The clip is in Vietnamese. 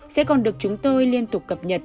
sẽ còn được chúng tôi liên tục cập nhật